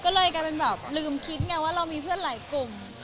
เลยเริ่มคิดว่าเรามีเพื่อนหลายกลุ่ม